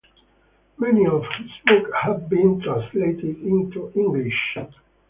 Many of his books have been translated into English.